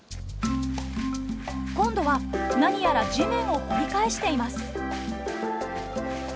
今度は何やら地面を掘り返しています。